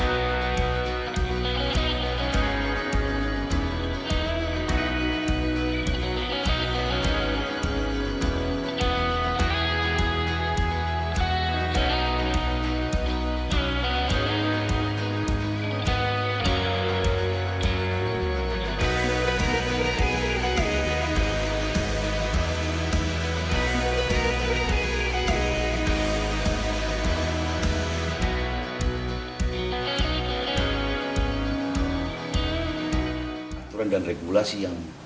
aturan dan regulasi yang